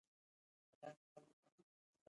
زه د یوټیوب له لارې پیسې ګټم.